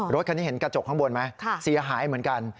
รถคันนี้เห็นกระจกข้างบนไหมเสียหายเหมือนกัน